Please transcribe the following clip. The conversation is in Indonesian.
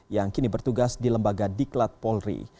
yang kini bertugas di lembaga diklat polri